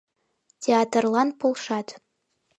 ТЕАТРЛАН ПОЛШАТ